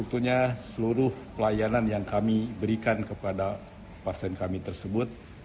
tentunya seluruh pelayanan yang kami berikan kepada pasien kami tersebut